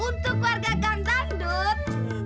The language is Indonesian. untuk warga gang dandut